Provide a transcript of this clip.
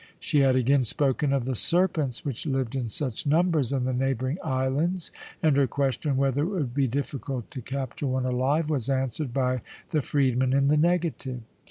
She had again spoken of the serpents which lived in such numbers in the neighbouring islands, and her question whether it would be difficult to capture one alive was answered by the freedman in the negative.